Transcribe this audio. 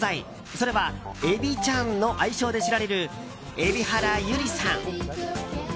それは、エビちゃんの愛称で知られる蛯原友里さん。